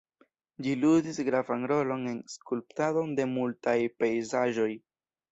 Ĝi ludis gravan rolon en skulptado de multaj pejzaĝoj.